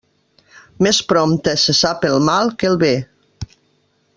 Més prompte se sap el mal que el bé.